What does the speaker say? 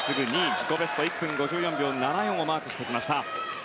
自己ベスト１分５４秒７４をマークしてきました。